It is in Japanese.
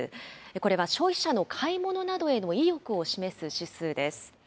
これは消費者の買い物などへの意欲を示す指数です。